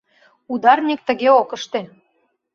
Ударник тыге ок ыште...